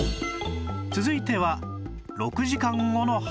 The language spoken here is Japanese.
続いては６時間後の春巻